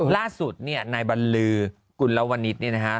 ล่าสุดนี่นายบันลือกุณลวณิษฐ์นี่นะคะ